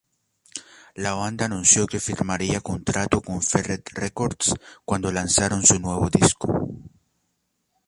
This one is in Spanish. La banda anuncio que firmaría contrato con Ferret Records, Cuando lanzaran su nuevo disco.